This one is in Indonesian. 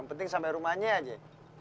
yang penting sampai rumahnya aja